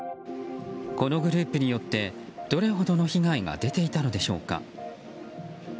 このグループによってどれほどの被害が出ていたのでしょうか。